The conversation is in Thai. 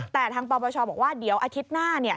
แต่ทางปปชบอกว่าเดี๋ยวอาทิตย์หน้า